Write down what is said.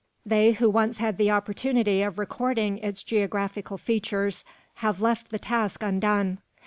They who once had the opportunity of recording its geographical features have left the task undone.